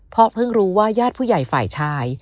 เพราะเพิ่งรู้ว่าญาติผู้ใหญ่ฝ่ายชาย